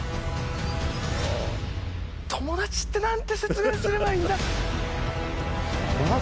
「“友達”ってなんて説明すればいいんだ」